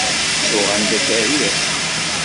Ttuɣ anda i t-rriɣ.